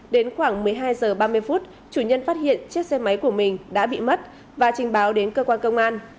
đến khoảng một mươi hai h ba mươi chủ nhân phát hiện chiếc xe máy của mình đã bị mất và trình báo đến cơ quan công an